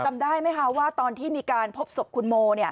จำได้ไหมคะว่าตอนที่มีการพบศพคุณโม